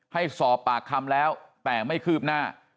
ให้สอบปากคำแล้วแต่ไม่คืบหน้า